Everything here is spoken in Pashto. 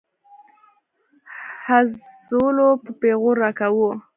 همزولو به پيغور راکاوه.